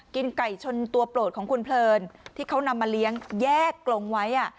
กินไก่ชนตัวโปรดของคุณเพลินที่เขานำมาเลี้ยงแยกกลงไว้